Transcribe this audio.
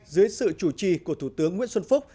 dưới sự chủ trì của thủ tướng nguyễn xuân phúc